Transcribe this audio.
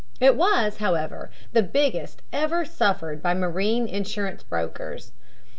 It was, however, the biggest ever suffered by marine insurance brokers.